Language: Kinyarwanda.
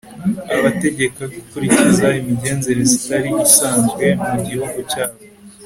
abategeka gukurikiza imigenzereze itari isanzwe mu gihugu cyabo